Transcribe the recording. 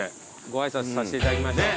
ご挨拶させていただきましょう。